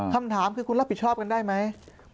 คำถามคือคุณรับผิดชอบกันได้ไหม